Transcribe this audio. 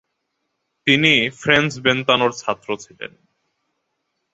তিনি ফ্রেন্জ বেনতানোর ছাত্র ছিলেন।